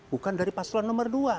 bukan dari paslon nomor dua